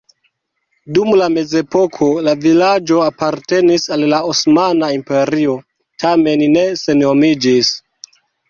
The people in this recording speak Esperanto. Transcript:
Dum la mezepoko la vilaĝo apartenis al la Osmana Imperio, tamen ne senhomiĝis.